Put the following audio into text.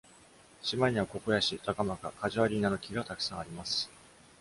島にはココヤシ、「タカマカ」、「カジュアリーナ」の木がたくさんあります。